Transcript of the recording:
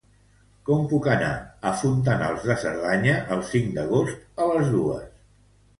Com puc anar a Fontanals de Cerdanya el cinc d'agost a les dues?